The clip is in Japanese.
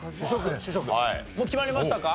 もう決まりましたか？